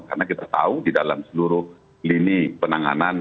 karena kita tahu di dalam seluruh lini penanganan